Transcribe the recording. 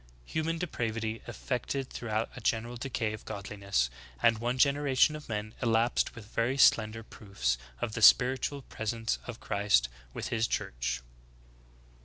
Human depravity effected throughout a general decay of godliness ; and one generation of men elapsed with very slender proofs of the spiritual presence of Christ with His Church."